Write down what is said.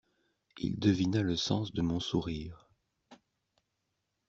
Il devina le sens de mon sourire.